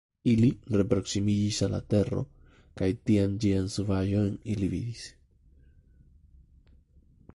Ili reproksimiĝis al la tero, kaj tiam ĝian subaĵon ili vidis.